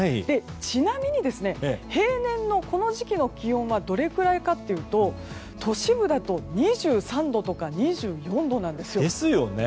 ちなみに平年のこの時期の気温はどれくらいかというと都市部だと２３度とか２４度なんです。